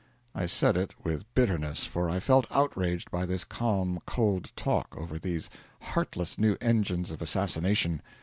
I said it with bitterness, for I felt outraged by this calm, cold talk over these heartless new engines of assassination.